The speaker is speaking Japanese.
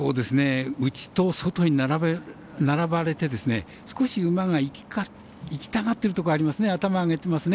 内と外に並ばれて馬がいきたがってるところありますね。